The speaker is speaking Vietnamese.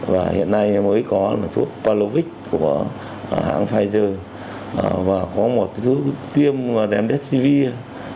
và hiện nay mới có thuốc palovic của hãng pfizer và có một thuốc tiêm remdesivir